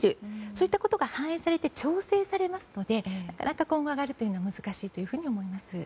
そういったことが反映されて調整されますのでまた上がるというのは難しいと思います。